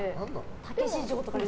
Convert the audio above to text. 「たけし城」とか。